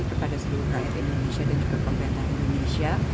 kepada seluruh rakyat indonesia dan juga pemerintah indonesia